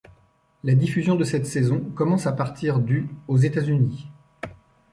La diffusion de cette saison commence à partir du aux États-Unis.